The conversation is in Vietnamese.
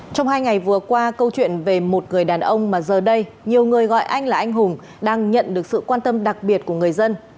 trong hai ngày vừa qua câu chuyện về một người đàn ông mà giờ đây nhiều người gọi anh là anh hùng đang nhận được sự quan tâm đặc biệt của người dân